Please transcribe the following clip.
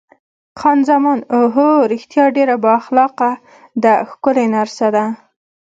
خان زمان: اوه هو، رښتیا ډېره با اخلاقه ده، ښکلې نرسه ده.